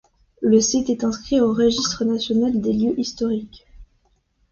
Le site est inscrit au Registre national des lieux historiques.